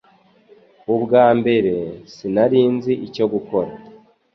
Ubwa mbere, sinari nzi icyo gukora.